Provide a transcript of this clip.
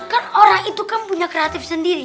kan orang itu kan punya kreatif sendiri